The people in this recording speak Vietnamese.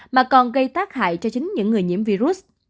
mà còn gây tác hại cho chính những người nhiễm virus